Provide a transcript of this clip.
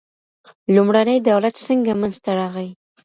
لومړنی دولت څنګه منځ ته راغی.